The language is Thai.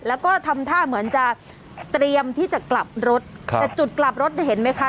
แล้วก็ทำท่าเหมือนจะเตรียมที่จะกลับรถแต่จุดกลับรถเห็นไหมคะ